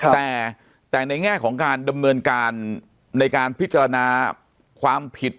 แต่ในแง่ของการดำเนินการในการพิจารณาความผิด